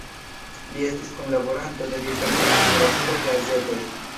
Li estis kunlaboranto de diversaj literaturaj gazetoj.